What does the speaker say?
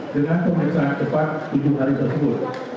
dengan pemeriksaan cepat tujuh hari tersebut